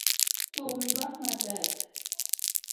Thum yuak matek